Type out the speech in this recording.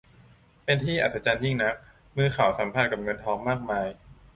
เป็นที่อัศจรรย์ยิ่งนัก มือเขาสัมผัสกับเงินทองมากมาย